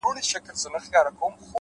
د پوهې سفر پای نه لري’